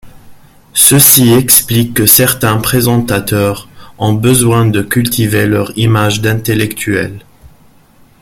Ceci explique que certains présentateurs ont besoin de cultiver leur image d'intellectuel.